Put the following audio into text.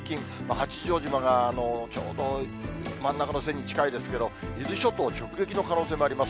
八丈島がちょうど真ん中の線に近いですけど、伊豆諸島直撃の可能性もあります。